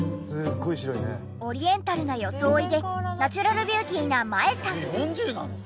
オリエンタルな装いでナチュラルビューティーな麻恵さん。